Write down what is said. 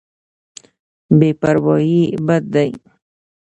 بې پرواهي بد دی.